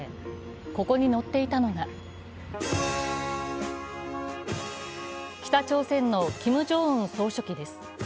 ここに乗っていたのが北朝鮮のキム・ジョンウン総書記です。